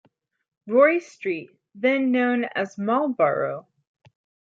Roy Street, then known as Malborough.